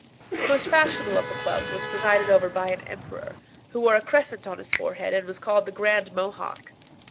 The most fashionable of the clubs was presided over by an emperor, who wore a crescent on his forehead, and was called the Grand Mohawk.